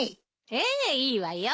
ええいいわよ！